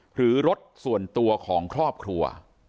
หรือรถส่วนตัวของครอบครัว